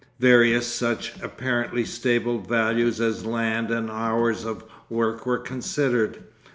Various such apparently stable values as land and hours of work were considered.